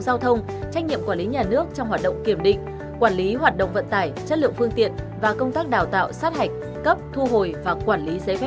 trách nhiệm quản lý nhà nước trong hoạt động kiểm định quản lý hoạt động vận tải chất lượng phương tiện